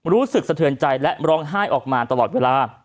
รู้สึกสะเทือนใจและร้องไห้ออกมาตลอดเวลา